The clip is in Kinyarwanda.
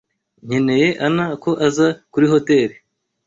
Nkeneye ,ana ko aza kuri hotel.